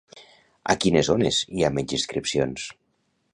A quines zones hi ha menys inscripcions?